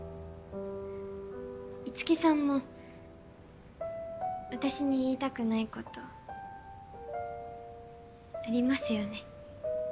樹さんも私に言いたくないことありますよね。